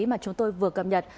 mà chúng tôi vừa cập nhật